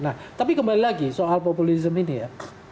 nah tapi kembali lagi soal populisme ini ya